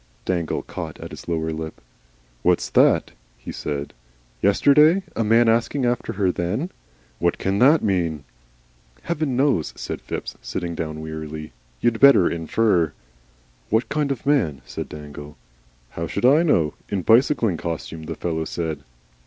Dangle caught at his lower lip. "What's that?" he said. "Yesterday! A man asking after her then! What can THAT mean?" "Heaven knows," said Phipps, sitting down wearily. "You'd better infer." "What kind of man?" said Dangle. "How should I know? in bicycling costume, the fellow said."